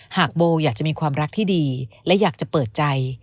โบอยากจะมีความรักที่ดีและอยากจะเปิดใจ